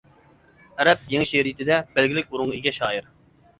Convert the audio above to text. ئەرەب يېڭى شېئىرىيىتىدە بەلگىلىك ئورۇنغا ئىگە شائىر.